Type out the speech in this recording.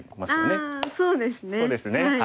そうですね